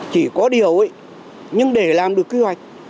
chỉ có điều ấy nhưng để làm được quy hoạch